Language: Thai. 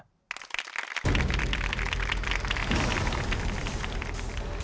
โปรดติดตามตอนต่อไป